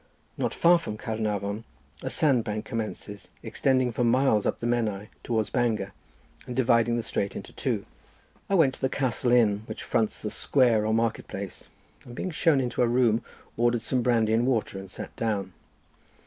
Not far from Caernarvon a sandbank commences, extending for miles up the Menai, towards Bangor, and dividing the strait into two. I went to the Castle Inn which fronts the square or market place, and being shown into a room ordered some brandy and water, and sat down.